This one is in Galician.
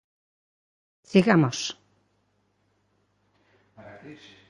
¡Sigamos!